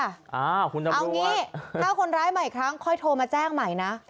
อ่าคุณตำรวจเอางี้ถ้าคนร้ายมาอีกครั้งค่อยโทรมาแจ้งใหม่น่ะ